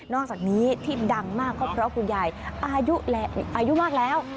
อกจากนี้ที่ดังมากก็เพราะคุณยายอายุมากแล้ว